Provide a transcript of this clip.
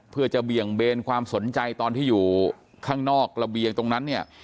เพื่อจะเบี่ยงเบนความสนใจตอนที่อยู่ข้างนอกระเบียงตรงนั้นเนี่ย